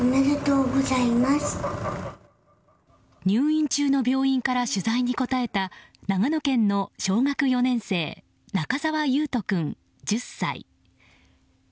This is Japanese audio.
入院中の病院から取材に答えた長野県の小学４年生中沢維斗君、１０歳。